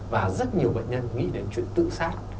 và rất nhiều bệnh nhân nghĩ đến chuyện tự sát